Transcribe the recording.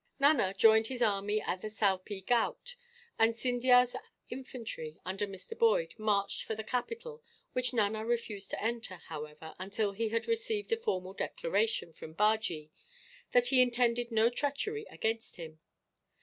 Nana joined his army at the Salpee Ghaut, and Scindia's infantry, under Mr. Boyd, marched for the capital; which Nana refused to enter, however, until he had received a formal declaration, from Bajee, that he intended no treachery against him.